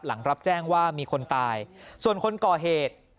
หลังรับแจ้งว่ามีคนตายส่วนคนก่อเหตุ